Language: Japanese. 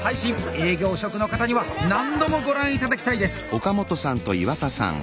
営業職の方には何度もご覧頂きたいです。